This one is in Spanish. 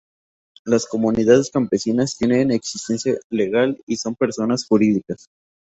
Las Comunidades Campesinas tienen existencia legal y son personas jurídicas.